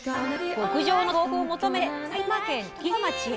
極上の豆腐を求めて埼玉県ときがわ町へ。